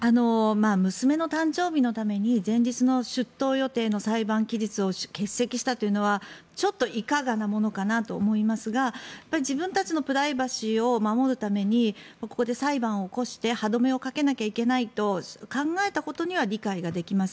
娘の誕生日のために前日の出廷予定の裁判期日を欠席したというのはちょっといかがなものかなと思いますが自分たちのプライバシーを守るためにここで裁判を起こして歯止めをかけなきゃいけないと考えたことには理解ができます。